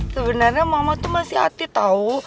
sebenarnya ma tuh masih hati tau